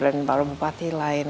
dan para bupati lain